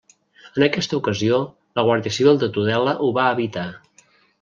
En aquesta ocasió la Guàrdia Civil de Tudela ho va evitar.